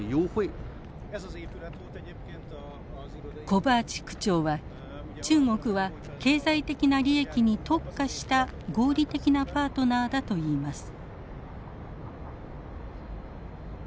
コバーチ区長は中国は経済的な利益に特化した合理的なパートナーだと言います。